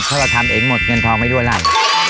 ถ้าเราทำเองหมดเงินทองไม่ด้วยไร